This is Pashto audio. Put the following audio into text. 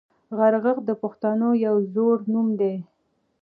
غرغښت د پښتنو یو زوړ نوم دی